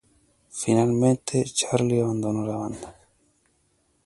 Finalmente, Charly abandonó la banda.